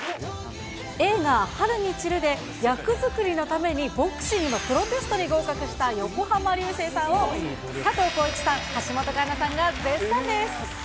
映画、春に散るで役作りのためにボクシングのプロテストに合格した横浜流星さんを、佐藤浩市さん、橋本環奈さんが絶賛です。